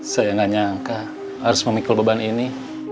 saya nggak nyangka harus memikul beban ini